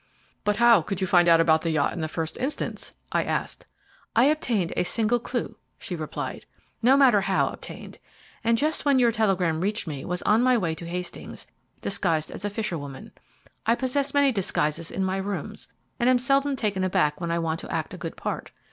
"But how could you find out about the yacht in the first instance?" I asked. "I obtained a slight clue," she replied, "no matter how obtained, and just when your telegram reached me was on my way to Hastings, disguised as a fisher woman. I possess many disguises in my rooms, and am seldom taken aback when I want to act a good part.